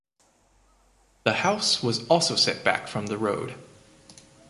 The house was also set back from the road.